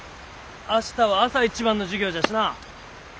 明日は朝一番の授業じゃしな。